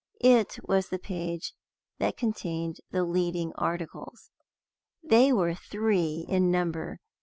It was the page that contained the leading articles. They were three in number.